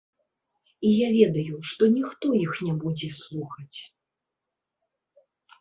І я ведаю, што ніхто іх не будзе слухаць.